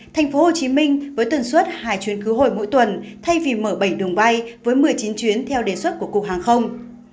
tp hcm với tuần suốt hai chuyến khứ hồi mỗi tuần thay vì mở bảy đường bay với một mươi chín chuyến theo đề xuất của cục hàng hông